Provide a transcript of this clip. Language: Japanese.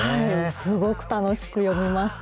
すごく楽しく読みました。